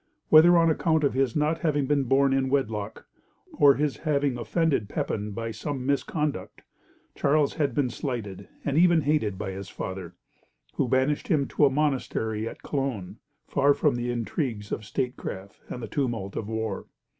Whether on account of his not having been born in wedlock, or his having offended Pepin by some misconduct, Charles had been slighted, and even hated, by his father, who banished him to a monastery at Cologne, far from the intrigues of statecraft and the tumult of war.